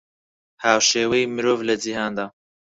هاوشێوەی مرۆڤ لە جیهاندا